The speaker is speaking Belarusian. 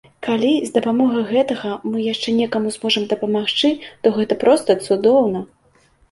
Калі з дапамогай гэтага мы яшчэ некаму зможам дапамагчы, то гэта проста цудоўна!